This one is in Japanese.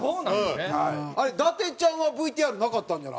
あれ伊達ちゃんはＶＴＲなかったんじゃない？